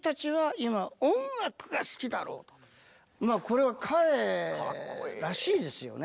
これは彼らしいですよね。